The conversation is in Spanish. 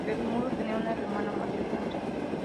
Bermudo tenía una hermana mayor, Sancha.